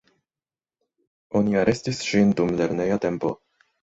Oni arestis ŝin dum lerneja tempo.